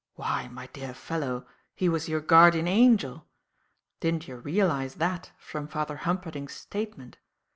"Why, my dear fellow, he was your guardian angel. Didn't you realize that from Father Humperdinck's statement?